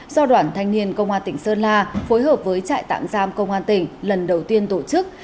do đoàn thanh niên công an tỉnh sơn la phối hợp với trại tạm giam công an tỉnh lần đầu tiên tổ chức